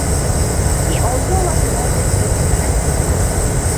He also was a noted teacher and coach.